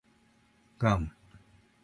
ガム